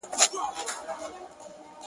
ه ياره کندهار نه پرېږدم.